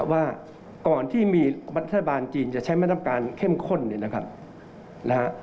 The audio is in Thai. ว่าก่อนที่มีมัธยาบาลจีนจะใช้มาตรการเข้มข้น